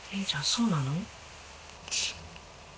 そうなの？